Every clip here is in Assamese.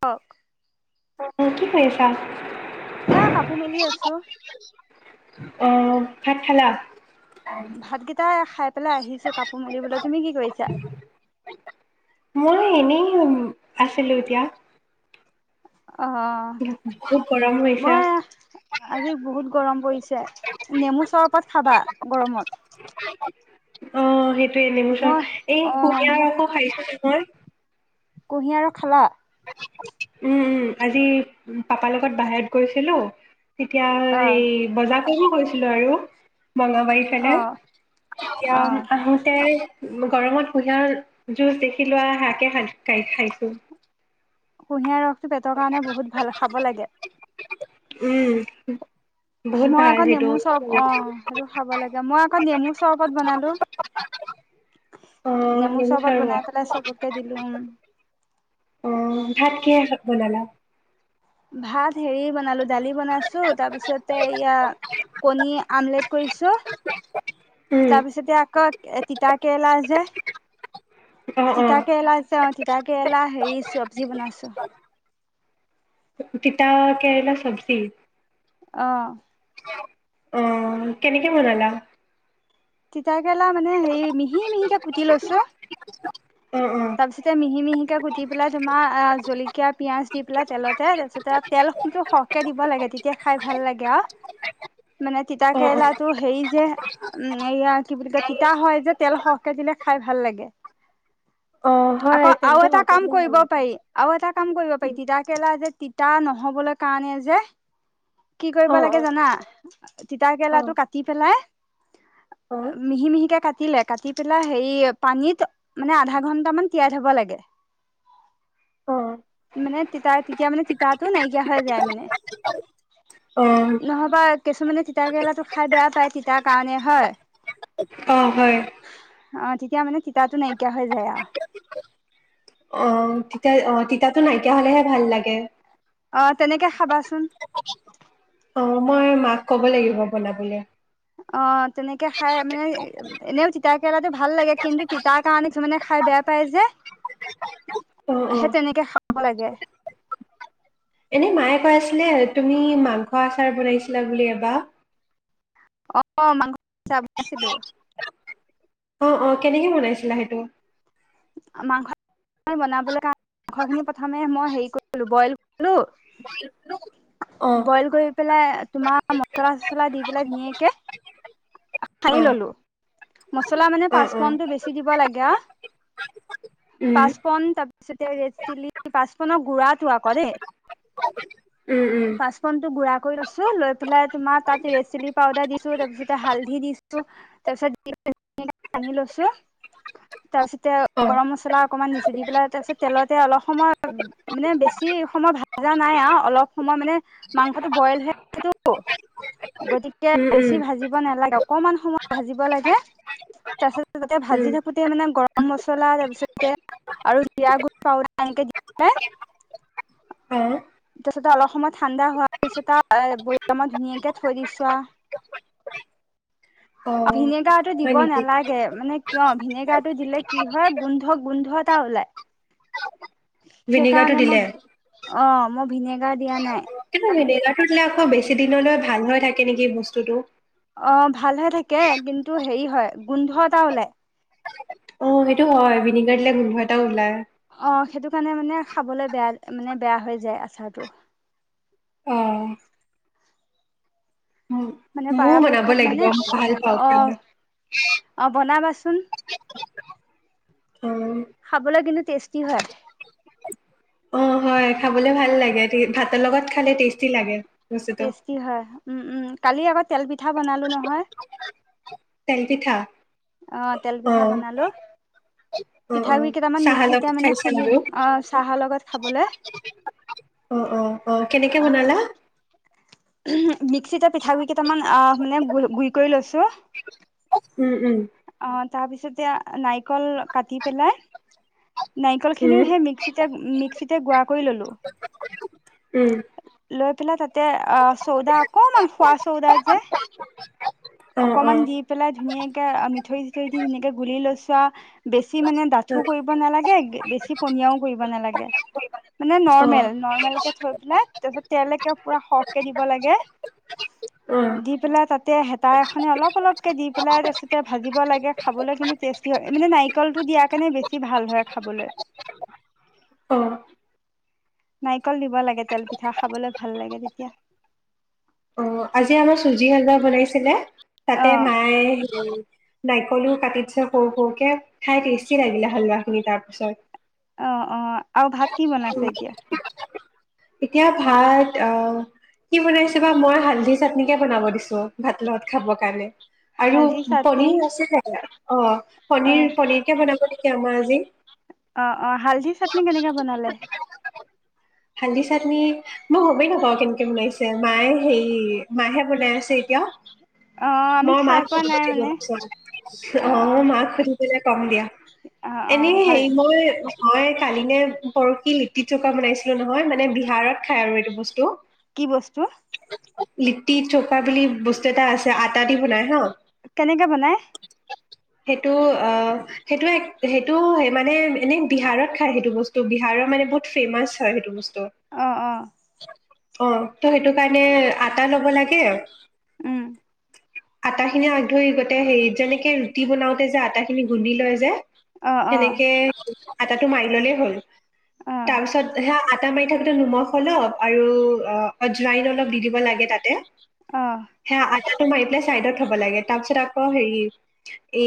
ক। কি কৰিছা? এ কাপোৰ মেলি আছো। অহ ভাত খালা? ভাতকেইটাই খাই পেলাই আহিছো কাপোৰ মেলিবলৈ, তুমি কি কৰিছা? মই এনেই আছিলো এতিয়া। অ বহুত গৰম হৈছে মই আজি বহুত গৰম পৰিছে নেমু চৰবত খাবা গৰমত। অ', সেইটো মই অ মই [unintelligible] কুঁহিয়াৰ ৰস খালা? উম- উম আজি পাপাৰ লগত বাহিৰত গৈছিলো এতিয়া অ ইেই বজাৰ কিনো কৰিছিলো আৰু মলবাৰী অ চাইদে এতিয়া অ আহোতে গৰমত কুহিয়াৰ জুচ দেখি লোৱা হাকে খাই- খাইছো। কুঁহিয়াৰ ৰস, এইটো পেটৰ কাৰণে বহুত ভাল খাব লাগে। উম বহুত মই ভাল আকৌ সেইটো নেমু চৰব অ', সেইটো খাব লাগে মই আকৌ নেমু চৰবত বনালো, নেমু চৰবত বনাই পেলাই চবকে দিলো উম। অ ভাত কিহেৰে খা- বনালা? ভাত, - হেৰি বনালো দালি বনাইছো তাৰপিছতে এয়া, কণী- আমলেট কৰিছো। তাৰপিছতে আকৌ, এ, তিতা কেৰেলা যে, অ অ তিতা কেৰেলা যে অ', তিতা কেৰেলা হেৰি চব্জি বনাইছো। তিতা কেৰেলা চব্জি? অহ', অ', কেনেকে বনালা? তিতা, কেৰেলা মানে হেৰি মিহি- মিহিকে কুটি লৈছো অ অ তাৰ পিছতে মিহি- মিহি, গুটি পেলাই তোমাৰ আহ', জলকীয়া, পিয়াজ দি পেলাই তেলতে তাৰপিছতে তেল কিন্তু সৰহকে দিব লাগে তেতিয়া খাই ভাল লাগে আৰু। মানে, তিতা অ অ কেৰেলাতো হেৰি, যে, উম', এয়া কি বুলি কয়, তিতা হয় যে, তেল সৰহকে দিলে খাই ভাল লাগে। অ হয় আকৌ আৰু তেলটো এটা সৰহকে কাম দিলে ভাল কৰিব লাগে। পাৰি আৰু এটা কাম কৰিব পাৰি তিতাকেৰেলা যে, তি তিতা নহবলৈ কাৰণে যে, কি কৰিব অ লাগে অ যানা তিতা- অ কেৰেলাটো কাটি পেলাই, অ মিহি -মিহিকে কাট, কাটিলে, কাটি পেলাই হেৰি পানীত মানে আধা ঘন্টামান তিয়াই থব লাগে। অ মানে তিতা তেতিয়া মানে তিতাটো নাইকিয়া হয় যায় মানে, অ নহবা কিছুমানে তিতা কেৰেলাটো খাই বেয়া পায় তিতাৰ কাৰণে হয়। অহ ', হয়। অহ তেতিয়া মানে, তি, তিতাতো নাইকিয়া হৈ যায় আৰু, অ তিতা অ তিতাতো নাইকিয়া হলেহে ভাল লাগে অ তেনেকে খাবাচোন। অ মই মাক ক'ব লাগিব বনাবলে। অ তেনেকে খাই মানে এনেও তিতাকেৰেলাত ভাল লাগে কিন্তু তিতাৰ কাৰণে কিছুমানে খাই বেয়া পায় যে, অ অ সে তেনেকে খাব লাগে। কৈছিলে তুমি মাংস আচাৰ বনাইছিলা বুলি এবা অহ মাংস আচাৰ বনাছিলো। অ অ কেনেকে বনাইছিলা সেইটো, অ মাংস আচাৰ বনাবলৈ কাৰণে মাংসখিনি প্ৰথমে মই হেৰি কৰি ললো বইল হেল্ল' অ বইল কৰি পেলাই তোমাৰ মচলা চচলা দি পেলাই ধুনীয়াকে অ ঠাহি ললো। মছলা মানে অ অ পাঁচপণটো বেছি দিব লাগে আৰু পাঁচপন তাৰপিছতে ৰেড চিলি পাঁচপনৰ গুড়াটো আক দেই। পাঁচপনটো গুড়া কৰি লছো লৈ পেলাই তোমাৰ তাত ৰেড চিলি পাউডাৰ দিছো, তাৰ পিছতে হালধি দিছো তাৰপিছত [unintelligible] লছো তাৰপিছতে আৰু গৰম মছলা অকমান দিছোঁ, দি পেলাই তাৰপিছত তেলত তাতে অলপ সময় মানে বেছি সময় ভাজা নাই আৰু অলপ সময় মানে মাংসটো বইল হয় থকাটো গতিকে এতিয়া বেছি ভাজিব নালাগে অকমান সময় ভাজিব লাগে, তাৰপিছত তাতে ভাজি থাকোতে মানে গৰম গৰম মচলা তাৰ পিছতে আৰু জিৰা গুড়া এনেকে, দি পেলাই অ, তাৰপিছতে অলপ সময় ঠাণ্ডা হোৱাৰ পিছত আৰু বৈয়ামত মই ধুনীয়াকে থৈ দিছো আও। অ ভিনেগা টো হয় দিব নেকি? নালাগে মানে কিয় ভিনেগাৰটো দিলে কি হয় গোন্ধ গোন্ধ এটা ওলাই। ভিনেগাৰটো সেইকাৰণে দিলে? মই অঁ মই ভিনেগাৰ দিয়া নাই। কিন্তু ভিনেগাৰটো দিলে আকৌ বেছি দিনলৈ ভাল হৈ থাকে নেকি বস্তুটো। অ ভালহৈ থাকে কিন্তু হেৰি হয় গোন্ধ এটা ওলাই। অ সেইটো হয় ভিনেগাৰ দিলে গোন্ধ এটা ওলায়। অ সেইটো কাৰণে মানে খাবলৈ বেয়া মানে বেয়া হৈ যায় আচাৰটো। অ, উম, মানে ময়ো বনাব পৰাপক্ষত লাগিব, মানে মই ভাল পাওঁ অ খাই। অ বনাবা চ [unintelligible] উ খাবলৈ কিন্তু টেষ্টি হয়। অ হয় খাবলে ভাল লাগে ভাতৰ লগত খালে টেষ্টি লাগে। বস্তুটো। টেষ্টি হয় উম উম কালি আকৌ তেল প পিঠা বনালো নহয়। তেলপিঠা অ তেল পিঠা বনালো অ, অ, পিঠাগুড়িকেইটামান চাহৰ মিক্সিতে লগত মানে খাইছা খুন্দি আৰু? অ চাহৰ লগত খাবলৈ অ, অ, অ, কেনেকে আহ। বনালা? উম। মিক্সিতে পিঠাগুৰি কেইটামান আহ মানে গ গুড়ি কৰি লৈছো। উম, উম, অ তাৰ পিছতে নাৰিকল কাটি পেলাই নাৰিকল খিনিও উম। সেই মিক্সিতে মিক্সিতে গুড়া কৰি ললো উম, লৈ পেলাই তাতে চৌদা অকমান খোৱা চৌদা যে অ', অকমান অ', দি পেলাই ধুনীয়াকে তেনেকে গুলি। লৈচো আও বেছি মানে ডাঠো কৰিব নালাগে বেছি পনীয়াও কৰিব নালাগে মানে অ', নৰ্মেল নৰ্মেল কে থৈ পেলাই তাৰপিছত তেলকে পুৰা সৰহকে দিব লাগে অ', দি পেলাই তাতে হেতা এখন অলপ অলপকে দি পেলাই তাৰপিছতে ভাজিব লাগে খাবলৈ কিন্তু টেষ্টি হয়। মানে নাৰিকলটো দিয়া কেনে বেছি ভাল হয় খাবলৈ। অঁ। নাৰিকল দিব লাগে তেল পিঠা খাবলৈ ভাল লাগে তেতিয়া। ছিলে অ তাতে মায়ে। নাৰিকলও কাটিছে সৰু সৰুকে খাই টেষ্টি লাগিলে হালোৱা খিনি তাৰ পিছত। অঁ অঁ। আৰু ভাত কি বনাইছে এতিয়া। এতিয়া ভাত আহ। কি বনাইছে বা মই হাল। হালধি চাটনি কে বনাব দিছো ভাত লগত খাবৰ কাৰণে। আৰু হালধি চাটনি পনীৰ আছে। অঁ। অ পনীৰ, পনিৰ কে বনাব দিম। ক, আমাৰ আজি। অঁ, অঁ। হালধি চাটনি কেনেকে বনালে। হালধী চাটনী মই গমেই নাপাওঁ কেনেকে বনাইছে মায়ে হেই। মাইহে বনাই আছে এতিয়া। অ', আমি মই খাই মাক পোৱা নাই খুধুতে মানে গম পোৱা অ মাক সোধিম। কলে কম দিয়া। অ', অ', এনে ভাল হেৰি মই মই কালি নে পৰহি লিট্টি চৌখা বনাইছিলো নহয় মানে বিহাৰত খাই আৰু এইটো বস্তু। কি বস্তু। লিট্টি চৌকা বুলি বস্তু এটা আছে, আটা দি বনাই হা কেনেকে বনাই? সেইটো অ' সেইটো, সেইটো মানে এনে বিহাৰত খায় সেইটো বস্তু, বিহাৰৰ মানে বহুত ফেমাচ হয় সেইটো বস্তু। অ', অ', তো অঁ, তঃ হেতু কাৰণে আটা ল'ব লাগে উম। আটা খিনি আগ ধৰি গোটেই, হেৰিত যেনেকে ৰুটি বনাওতে যে আটা খিনি গুন্দি লয় যে। অ', অ', হেনেকে আটাটো মাৰি ল'লে হ'ল। অ', তাপিছত সেয়া আতা আটা মাৰি থাকোঁতে নিমখ অলপ আৰু অজৱাইন অলপ দি দিব লাগে তাতে। অ', সেয়া আটা মাৰি পেলাই চাইডত থ'ব লাগে তাৰ পিছত আকৌ হেৰি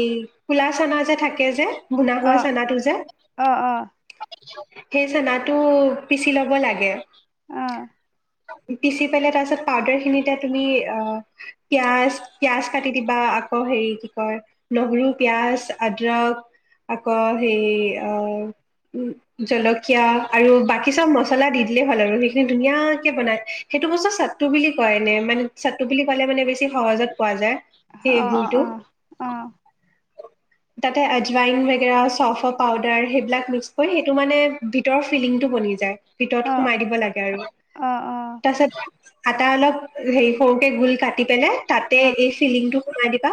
এই কলা চনাা যে থাকে যে। ভুনা হোৱা অ', চানাটো যে। অ', অ', অ', সেই চানাটো পিচি ল'ব লাগে। অ' পিচি পেলাই তাৰপিছত পাউদাৰ খিনিতে তুমি, অ' পিয়াজ পিয়াজ কাটি দিবা, আকৌ হেৰি কি কয়, নহৰু, পিয়াজ, আদ্ৰক, আকৌ হেৰি, অ' জলকীয়া আৰু বাকী চব মচলা দি দিলেই হ'ল আৰু সেইখিনি ধুনীয়াকে বনায়। সেইটো বস্তু চা চাটু বুলি কয় এনে মানে, চাটু বুলি ক'লে মানে বেছি সহজত পোৱা যায়। সেই গুৰিটো অ'-অ'-অ' অ'। তাতে আজৱাইন বেগেৰা চ'ফ পাউদাৰ সেইবিলাক মিক্স কৰি, সেইটো মানে ভিতৰৰ ফিলিংটো বনি যায়। ভিতৰত সোমাই দিব লাগে আৰু, অ', তাৰ পিছত আটা অলপ হেৰি সৰুকে গোল কাটি পেলাই তাতে এই ফিলিংটো সোমাই দিবা।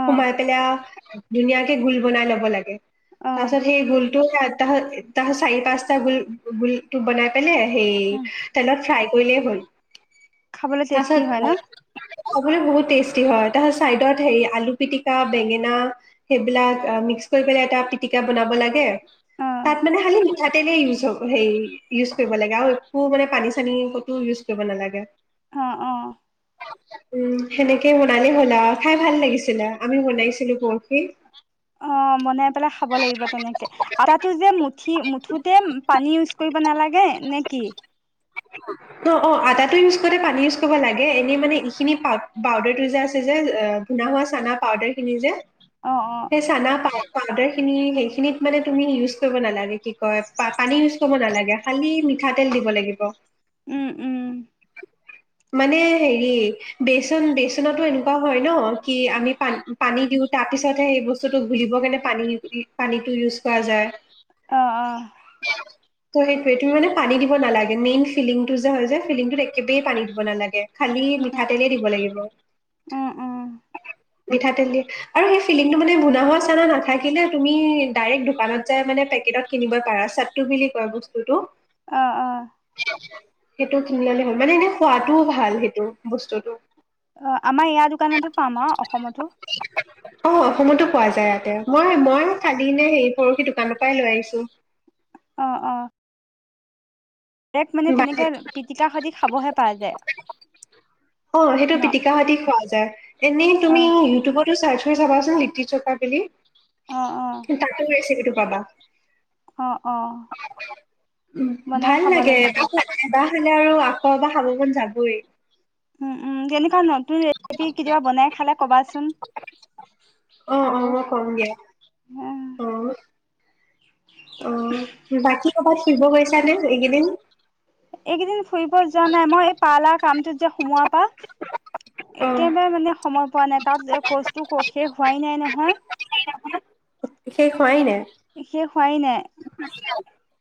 অ', অ', অ', পেলাই আৰু ধুনীয়াকে গোল বনাই ল'ব লাগে। তাৰপিছত সেই গোল টো তাহ তাহ চাৰি পাঁচটা গোল গোল টো বনাই পেলাই হে' তেলত ফ্ৰাই কৰিলে হ'ল। খাবলৈ টেষ্টি হয় ন? তাৰপিছত খাবলৈ বহুত টেষ্টি হয়। তাৰপিছত চাইডত হেৰি আলু পিটিকা, বেঙেনা, সেইবিলাক মিক্স কৰি পেলাই এটা পিটিকা বনাব লাগে অ', তাত মানে খালী হাতেৰে ইউজ হব, হেৰি ইউজ কৰিব লাগে আৰু একো মানে পানী-চানী ক'তো ইউজ কৰিব নালাগে। অ'অ। উম সেনেকেই বনালে হ'ল আৰু খাই ভাল লাগিছিলে, আমি বনাইছিলোঁ পৰহি। অ বনাই পেলাই খাব লাগিব তেনেকে। আটাটো যে মুঠি মুঠুতে পানী ইউজ কৰিব নালাগে নে কি? অ অ আটাটো ইউজ কৰোতে পানী ইউজ কৰিব লাগে। এনেই মানে এইখিনি পাউ পাউদাৰটো যে আছে যে এ ভুনা হোৱা চানা পাউদাৰ খিনি যে অ', অ', সেই চানা পাউ পাউদাৰ খিনি সেইখিনিত মানে তুমি ইউজ কৰিব নালাগে। কি কয় পা পানী ইউজ কৰিব নালাগে, খালী মিঠাতেল দিব লাগিব। উম উম মানে হেৰি বেচন বেচনতো এনেকুৱা হয় ন? কি আমি পান পানী দিওঁ। তাৰ পিছতহে সেই বস্তুটো গুলিব কেনে পানী দি পানীটো ইউজ কৰা যায়। অ অ ত' সেইটোৱে তুমি মানে পানী দিব নালাগে। মেইন ফিলিংটো যে, হয় যে ফিলিংটোত একেবাৰেই পানী দিব নালাগে। খালী মিঠাতেলে দিব লাগিব। উম, উম, মিঠাতেল দিয়ে আৰু সেই ফিলিংটো মানে বুনা হোৱা চানা নাথাকিলে, তুমি ডাইৰেক্ট দোকানত যাই মানে পেকেটত কিনিবই পাৰা। চাটু বুলি কয় বস্তুটো। অ অ সেইটো কিনি আনিলে হ'ল। মানে এনে খোৱাটোও ভাল সেইটো, বস্তুটো। অ আমাৰ ইয়াৰ দোকানতো পাম আৰু অসমতো অ অসমতো পোৱা যায় ইয়াতে। মই মই কালি নে হেৰি পৰহি দোকানৰ পৰাই লৈ আহিছোঁ। অ অ ৰেত মানে তেনেকে আৰু পিটিকা খতি খাবহে তাই যে অ সেইটো পিটিকাহতি খোৱা যায়। এনেই অ তুমি ইউটিউবতো চাৰ্চ চাবাচোন লিটি চকা বুলি অ কিন্তু তাতো ৰেচিপিটো পাবা। অ অ অ উ বনাই ভাল খাব লাগে লাগিব [unintelligible] আৰু আকৌ এবাৰ খাব মন যাবই। উম উম কেনকা নপ ৰেচিপি কেতিয়াবা বনাই খালে কবাচোন অ', অ', আৰু মই কম দিয়া। অ', অ অ বাকী কবাচো- ফুৰিব গৈছানে এইকেইদিন? এইকেইদিন ফুৰিব যোৱা নাই মই এই পাৰ্লাৰ কামটোত যে- সোমোৱাৰ পা অ', একেবাৰে মানে সম- পোৱা নাই তাত কৰ্চটো ক শেষ হোৱাই নাই নহয়। শেষ হোৱাই নাই শেষেও হোৱাই নাই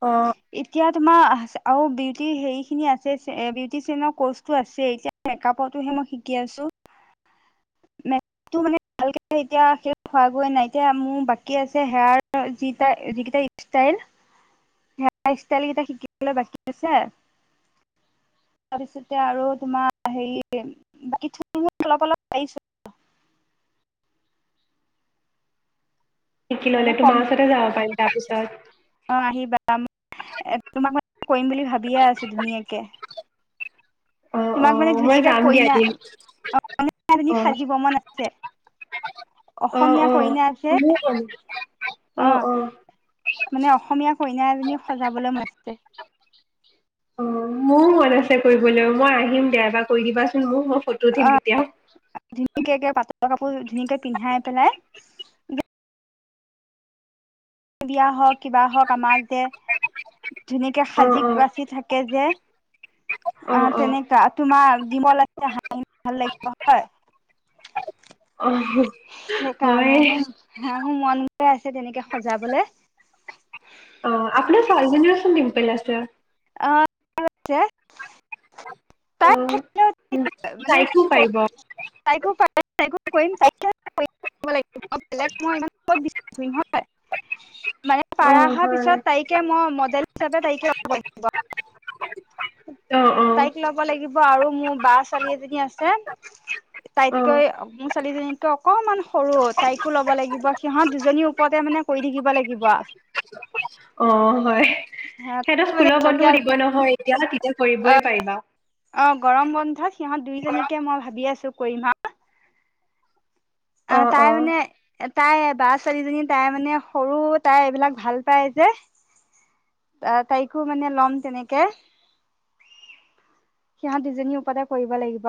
অ', এতিয়া তোমাৰ আৰু বিউটি হেৰি খিনি আছে বিউটিচিয়ানৰ কৰ্চটো আছে এতিয়া মেকআপৰতোহে মই শিকি আছো। টো মানে ভালকে এতিয়া হোৱা গৈ নাই, এতিয়া মোৰ বাকী আছে হেয়াৰ যি‌ কেইটা ষ্টাইল হেয়াৰ ষ্টাইল কেইটা শিকিবলৈ বাকী আছে। তাৰপিছতে আৰু তোমাৰ হেৰি বাকী [unintelligible] অলপ অলপ পাইছো শিকি মানে ললে কম তোমাৰ ওচৰতে যাব পাৰি। তাৰপিছত অ আহিবা তোমাক মই কৰিম বুলি ভাবিয়ে আছো ধুনীয়াকে। অ', তোমাক মানে অ', মই ধুনীয়াকে যাম দিয়া কইনা এদিন। কইনা এজনী অ', সাজিব মন আছে, অ'। অসমীয়া অ', কইনা যে, মোৰো মন অ মানে অসমীয়া কইনা এজনী সজাবলৈ মন আছে। [unintelligible] অ মোৰো মন আছে কৰিবলৈ মই আহিম দিয়া এবাৰ কৰি দিবাচোন মোক ফটো উঠিম অ তেতিয়া। ধুনীয়াকে একে পাটৰ কাপোৰ ধুনীয়াকে পিন্ধাই পেলাই যে বিয়া হক কিবা হওক আমাক যে ধুনীয়াকে অ', সাজি অ', কাচি থাকে যে অ তেনেকুৱা, তোমাৰ [unintelligible] [unintelligible] ভাল লাগিব হয় অ', হয়। সেইকাৰণে মোৰ মোৰ মন গৈ আছে তেনেকে সজাবলৈ। অঁ আপুনাৰ চাৰিজনিচোন পিম্পল আছিল অঁ [inaudible] অ', তাই মানে তাইকো কি পাৰিব সৰু তাইকো প [unintelligible] মানে অ পাৰা অহা হয়। পিছত তাইকে মই মডেল হিচাপে তাইকে লাগিব অ অ ত লাগিব আৰু মোৰ বাৰ ছোৱালী এজনী আছে অ তাইতকৈ মোৰ ছোৱালীজনীকৈ অকনমান সৰু তাইকো ল'ব লাগিব। সিহঁত দুজনীৰ ওপৰতে মানে কৰি থাকিব লাগিব। অ হয় সিহঁত মানে স্কুলৰ বন্ধও টকীয়া দিব নহয় এতিয়া তেতিয়া অ কৰিবই পাৰিবা। অ গৰম বন্ধত সিহত দুইজনীকে মই ভাবি আছো। কৈ মা অ তাই মানে তাই বা ছোৱালীজনী তাই মানে সৰু তাই এইবিলাক ভাল পায় যে তাইকো মানে লম তেনেকে, সিহঁত দুজনী ওপৰতে কৰিব লাগিব।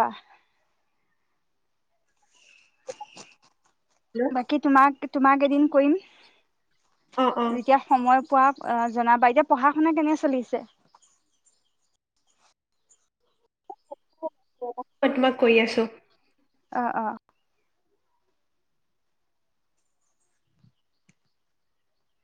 হেল্ল', বাকী তোমাক তোমাক এদিন কৰিম অ অ যেতিয়া সময় পোৱা জনাবা এতিয়া পঢ়া শুনা কেনে চলিছে? মই তোমাক কৈ আছো। অ অ।